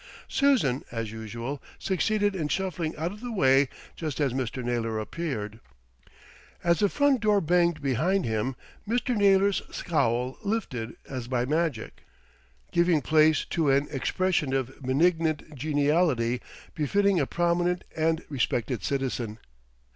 Susan, as usual, succeeded in shuffling out of the way just as Mr. Naylor appeared. As the front door banged behind him, Mr. Naylor's scowl lifted as by magic, giving place to an expression of benignant geniality befitting a prominent and respected citizen.